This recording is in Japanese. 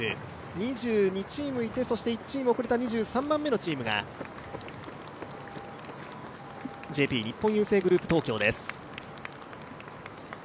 ２２チームいて、１チーム遅れた２３番目のチームがＪＰ日本郵政グループ東京です。